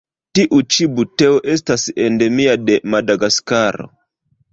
Tiu ĉi buteo estas endemia de Madagaskaro.